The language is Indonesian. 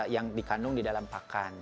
yang dikandung di dalam pakan